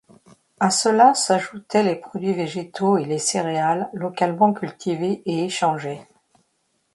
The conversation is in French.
A cela s'ajoutaient les produits végétaux et les céréales localement cultivés et échangés.